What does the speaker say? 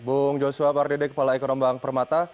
bung joshua pardede kepala ekonomi bank permata